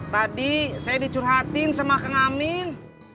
tadi saya dicurhatin sama kengamin